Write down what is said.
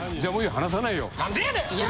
話さないよ。